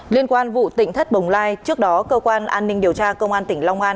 liên quan vụ tỉnh thất bồng lai trước đó cơ quan an ninh điều tra công an tỉnh long an